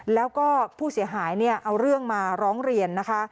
แล้วก็ผู้เสียหายเนี่ยเอาเรื่องมาร้องเรียนนะคะ